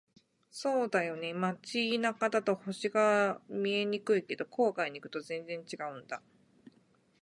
そうだよね。街中だと星が見えにくいけど、郊外に行くと全然違うんだ。